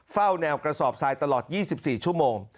เฝ้าแนวกระสอบทรายตลอด๒๔ชั่วโมง